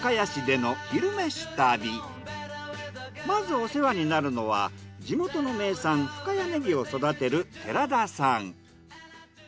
まずお世話になるのは地元の名産深谷ねぎを育てる寺田さん。